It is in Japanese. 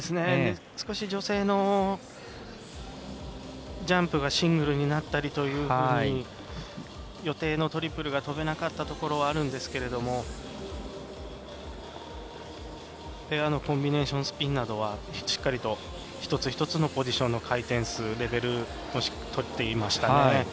少し女性のジャンプがシングルになったりというふうに予定のトリプルが跳べなかったところがあるんですけどペアのコンビネーションスピンなどはしっかりと一つ一つのポジションの回転数レベルをとっていましたね。